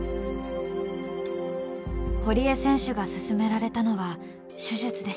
堀江選手が勧められたのは手術でした。